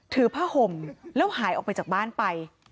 ถือผ้าห่มแล้วหายออกไปจากบ้านไป